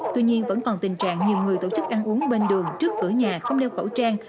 tuy nhiên vẫn còn tình trạng nhiều người tổ chức ăn uống bên đường trước cửa nhà không đeo khẩu trang